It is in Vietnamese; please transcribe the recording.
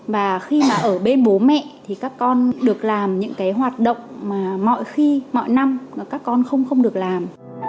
và khi mà ở bên bố mẹ thì các con được làm những cái hoạt động mà mọi khi mọi năm các con không được làm